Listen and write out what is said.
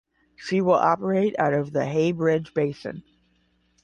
She will operate out of the Heybridge Basin.